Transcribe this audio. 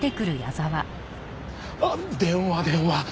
あっ電話電話！